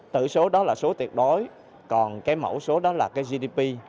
tử số đó là số tiệt đối còn cái mẫu số đó là cái gdp